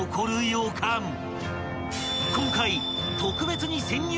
［今回］